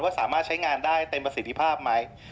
สามารถใช้งานได้เต็มประสิทธิภาพไหม